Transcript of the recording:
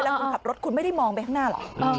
คุณขับรถคุณไม่ได้มองไปข้างหน้าเหรอ